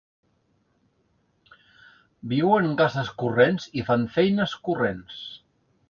Viuen en cases corrents i fan feines corrents.